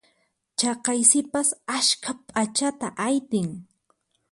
Chaqay sipas askha p'achata aytin.